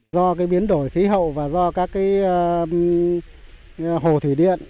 do biến đổi khí hậu và do các hồ thủy điện